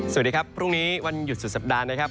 สวัสดีครับพรุ่งนี้วันหยุดสุดสัปดาห์นะครับ